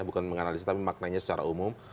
bukan menganalisis tapi maknanya secara umum